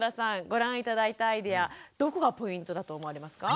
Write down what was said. ご覧頂いたアイデアどこがポイントだと思われますか？